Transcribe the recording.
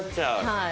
はい。